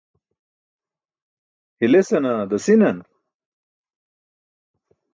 Hilesana dasi̇nan?